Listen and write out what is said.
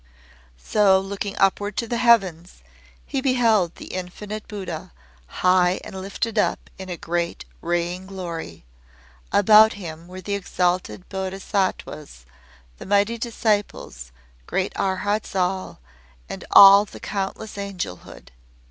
So, looking upward to the heavens, he beheld the Infinite Buddha, high and lifted up in a great raying glory. About Him were the exalted Bodhisattwas, the mighty Disciples, great Arhats all, and all the countless Angelhood.